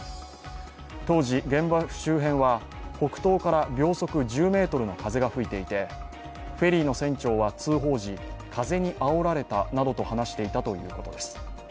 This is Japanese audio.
当時、現場周辺は北東から秒速１０メートルの風が吹いていてフェリーの船長は通報時風にあおられたなどと話していたということです。